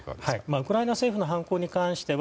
ウクライナ政府の犯行に関しては